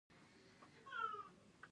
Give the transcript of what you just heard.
چین نوې انرژۍ ته پام کوي.